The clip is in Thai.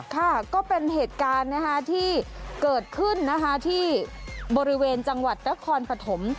ค่ะก็เป็นเหตุการณ์ที่เกิดขึ้นนะคะที่บริเวณจังหวัดนครปฐม